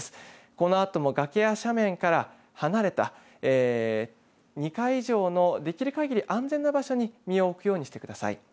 このあとも崖や斜面から離れた２階以上のできるかぎり安全な場所に身を置くようにしてください。